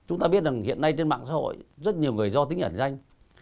chúng ta biết rằng hiện nay trên mạng xã hội rất nhiều người do tính ẩn danh